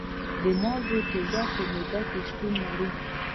د مالګې تیزاب په معده کې شتون لري.